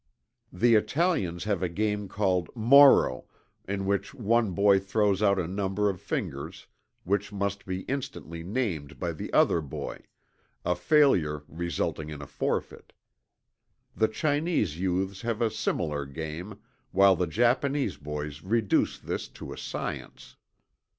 The Italians have a game called "Morro" in which one boy throws out a number of fingers, which must be instantly named by the other boy, a failure resulting in a forfeit. The Chinese youths have a similar game, while the Japanese boys reduce this to a science.